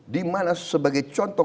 di mana sebagai contoh